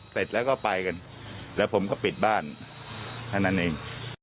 เสร็จแล้วก็ไปกันแล้วผมก็ปิดบ้านแค่นั้นเอง